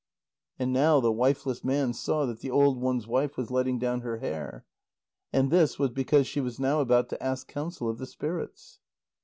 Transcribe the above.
And now the wifeless man saw that the old one's wife was letting down her hair. And this was because she was now about to ask counsel of the spirits.